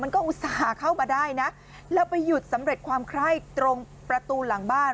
ก็อุตส่าห์เข้ามาได้นะแล้วไปหยุดสำเร็จความไคร้ตรงประตูหลังบ้าน